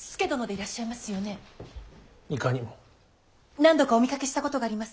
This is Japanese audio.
何度かお見かけしたことがあります。